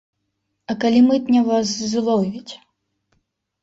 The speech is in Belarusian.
А калі мытня вас зловіць?